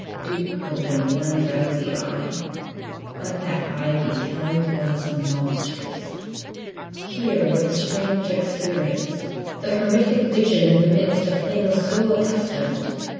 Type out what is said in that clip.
Duke opened one drowsy eye. What that eye beheld was monstrous. Here was a strange experience the horrific vision in the midst of things so accustomed.